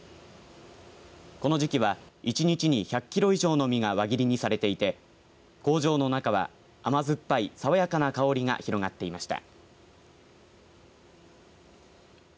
この時期は一日に１００キロ以上の実が輪切りにされていて工場の中は甘酸っぱい爽やかな香りが広がっていました。